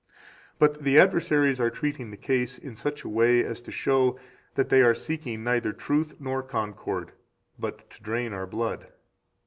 12 But the adversaries are treating the case in such a way as to show that they are seeking neither truth nor concord, but to drain our blood.